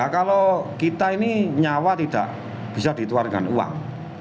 kalau kita ini nyawa tidak bisa dituarkan uang